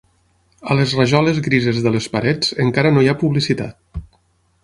A les rajoles grises de les parets encara no hi ha publicitat.